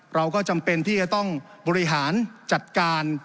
เราก็จำเป็นที่จะต้องบริหารจัดการ